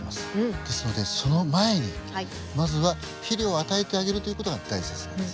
ですのでその前にまずは肥料を与えてあげるという事が大切なんです。